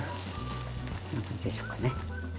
こんな感じでしょうかね。